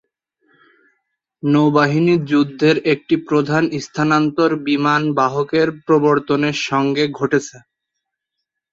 নৌবাহিনী যুদ্ধের একটি প্রধান স্থানান্তর বিমান বাহকের প্রবর্তনের সঙ্গে ঘটেছে।